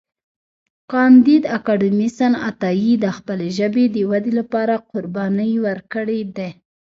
کانديد اکاډميسن عطایي د خپلې ژبې د ودې لپاره قربانۍ ورکړې دي.